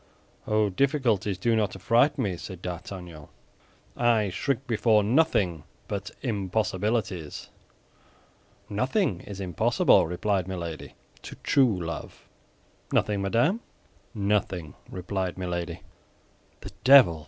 "Oh, difficulties do not affright me," said D'Artagnan. "I shrink before nothing but impossibilities." "Nothing is impossible," replied Milady, "to true love." "Nothing, madame?" "Nothing," replied Milady. "The devil!"